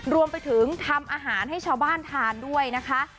รวมไปถึงทำอาหารให้ชาวบ้านทานด้วยนะคะ